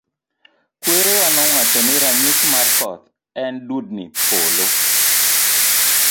Kwerawa nowacho ni ranyisis mar koth en dudni polo.